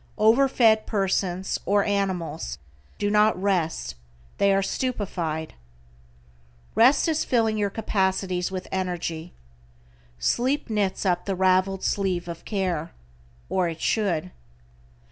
Over fed persons, or animals, do not rest, they are stupefied. Rest is filling your capacities with energy. "Sleep knits up the ravelled sleeve of care," or it should.